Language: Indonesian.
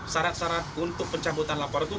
syarat syarat untuk pencabutan laporan itu